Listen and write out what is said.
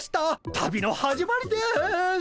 旅の始まりです。